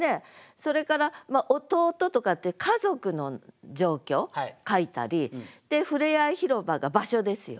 それから「弟」とかって家族の状況書いたり「ふれあい広場」が場所ですよね。